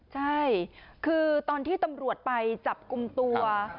ใช่คือตอนที่ตำรวจไปจับกลุ่มตัว